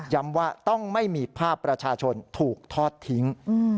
ว่าต้องไม่มีภาพประชาชนถูกทอดทิ้ง